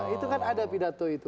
itu kan ada pidato itu